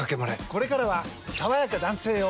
これからは、「さわやか男性用」